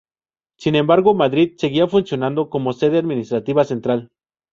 Sin embargo, Madrid seguía funcionando como sede administrativa central.